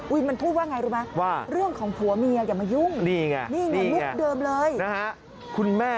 วินมันพูดว่าอย่างไรรู้ไหมเรื่องของผัวเมียอย่ามายุ่งลูกเดิมเลยนี่ไงนี่ไง